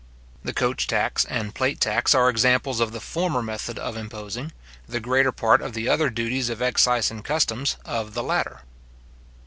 The coach tax and plate tax are examples of the former method of imposing; the greater part of the other duties of excise and customs, of the latter.